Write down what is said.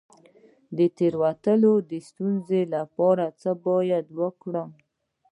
د تیرولو د ستونزې لپاره باید څه وکړم؟